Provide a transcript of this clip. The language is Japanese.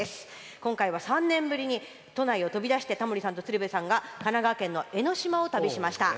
今回は３年ぶりに都内を飛び出してタモリさんと鶴瓶さんが神奈川県の江の島を旅しました。